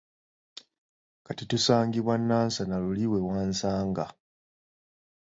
Kati tusangibwa Nansana luli we wansanga.